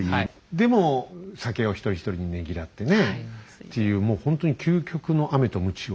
でも酒を一人一人にねぎらってねっていうもうほんとに究極のアメとムチを。